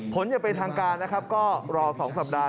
ผลอย่างเป็นทางการนะครับก็รอ๒สัปดาห